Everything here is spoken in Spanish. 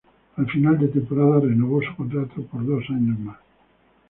A final de temporada, renovó su contrato por dos años más.